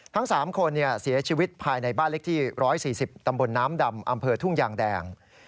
ทั้ง๓คนเสียชีวิตภายในบ้านเล็กที่๑๔๐ตำบลน้ำดำอำเภอทุ่งยางแดง